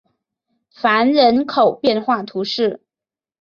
凡人口变化图示